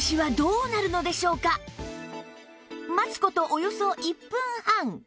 待つ事およそ１分半